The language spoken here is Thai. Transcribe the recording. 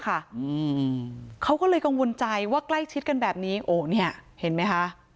อืมเขาก็เลยกังวลใจว่าใกล้ชิดกันแบบนี้โอ้เนี้ยเห็นไหมคะ